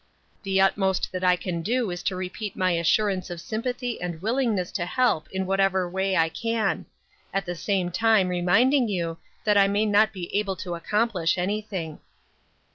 The utmost that I can do is to repeat my assurance of sympathy and willingness to help in whatever way I can ; at the same time reminding you that I may not be able to accomplish anything."